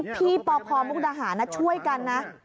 พี่ปพมุกดาหารช่วยกันนะ